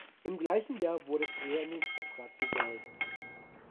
Im gleichen Jahr wurde er in den Stadtrat gewählt.